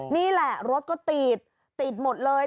นี่แหละรถก็ตีดติดหมดเลย